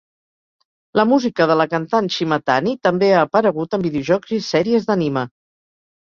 La música de la cantant Shimatani també ha aparegut en videojocs i sèries d'anime.